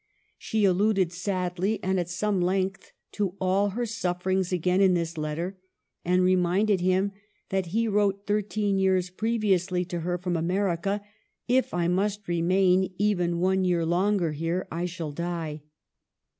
She alluded sadly, and at some length, to all her sufferings again in this letter, and reminded him that he wrote thirteen years previously to her from America, " If I must remain even one year longer here I shall die."